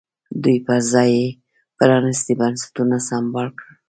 دوی پر ځای یې پرانیستي بنسټونه سمبال کړل.